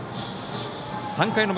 ３回の表。